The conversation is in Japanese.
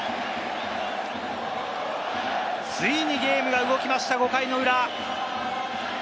ついにゲームが動きました、５回の裏。